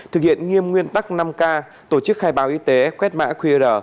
thực hiện nghiêm nguyên tắc năm k tổ chức khai báo y tế quét mã qr